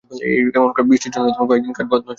এখন কাজ শুরু হলেও বৃষ্টির জন্য কয়েক দিন কাজ বন্ধ ছিল।